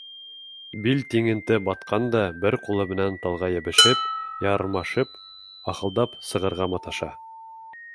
Бил тиңенте батҡан да, бер ҡулы менән талға йәбешеп, ярмашып, ахылдап сығырға маташа.